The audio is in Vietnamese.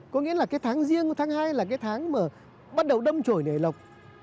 có nghĩa là cái tháng riêng tháng hai là cái tháng mà bắt đầu đâm trổi nảy lọc